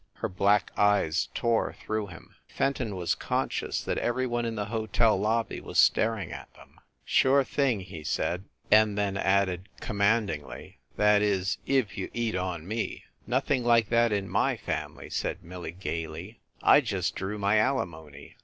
Her black eyes tore through him. Fenton was conscious that every one in the hotel lobby was staring at them. "Sure thing," he said, 158 FIND THE WOMAN and then added, commandingly, "That is, if you eat on me." "Nothing like that in my family," said Millie gayly. "I just drew my alimony.